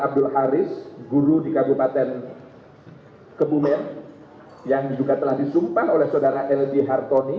ada abdul haris guru di kabupaten kebumen yang juga telah disumpah oleh saudara l d hartoni